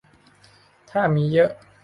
ถ้ามีเยอะ